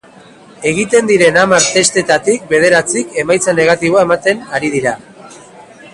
Egiten diren hamar testetik bederatzik emaitza negatiboa ematen ari dira.